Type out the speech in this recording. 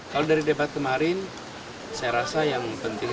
kalau dari debat kemarin saya rasa yang penting